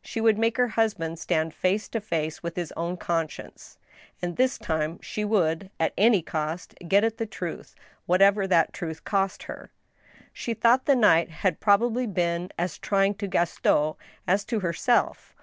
She would make her husband stand face to face with his own conscience, and this time she would, at any cost, get at the truth, whatever that truth cost her. She thought the night had probably been as trying to Gaston as to herself